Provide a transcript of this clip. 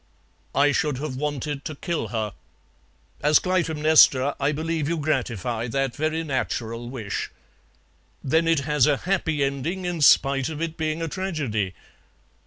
'" "I should have wanted to kill her." "As Clytemnestra I believe you gratify that very natural wish." "Then it has a happy ending, in spite of it being a tragedy?"